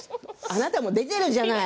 あなたも出てるじゃない。